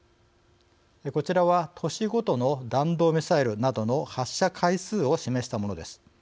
こちらは、年ごとの弾道ミサイルなどの発射回数を示したものです。